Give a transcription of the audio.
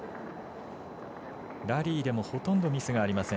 ラリーでもほとんどミスがありません